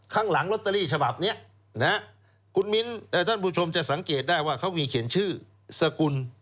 ข้างหลังลอตเตอรี่ฉบับนี้นะฮะคุณมิ้นท่านผู้ชมจะสังเกตได้ว่าเขามีเขียนชื่อสกุล